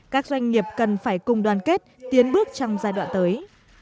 các doanh nghiệp cần phải cùng đoàn kết tiến bước trong giai đoạn tới